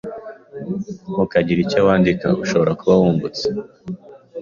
ukagira icyo wandika ushobora kuba wungutse